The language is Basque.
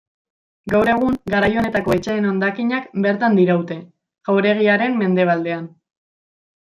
Gaur egun garai honetako etxeen hondakinak bertan diraute, jauregiaren mendebaldean.